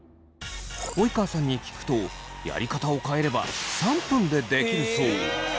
及川さんに聞くとやり方を変えれば３分でできるそう。